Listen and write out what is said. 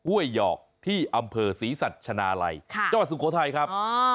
้วยหยอกที่อำเภอศรีสัชนาลัยจังหวัดสุโขทัยครับ